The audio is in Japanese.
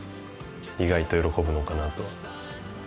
意外と喜ぶのかなと。